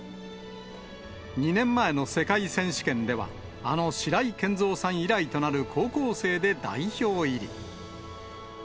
２年前の世界選手権では、あの白井健三さん以来となる、高校生で代表入り。